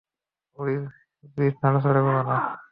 Will, please নড়াচড়া কোরো না।